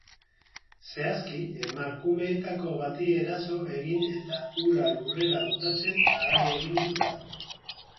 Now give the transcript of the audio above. Zehazki, emakumeetako bati eraso egin eta hura lurrera botatzen ahalegindu da.